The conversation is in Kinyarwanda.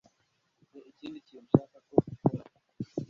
mfite ikindi kintu nshaka ko ukora